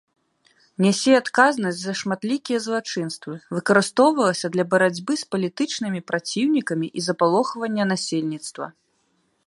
Нясе адказнасць за шматлікія злачынствы, выкарыстоўвалася для барацьбы з палітычнымі праціўнікамі і запалохвання насельніцтва.